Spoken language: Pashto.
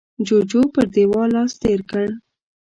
جوجو پر دېوال لاس تېر کړ.